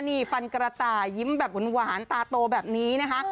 นี่ฟันกระต่ายยิ้มแบบหวานตาโตแบบนี้นะคะ